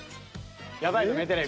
やばいぞ目テレビ。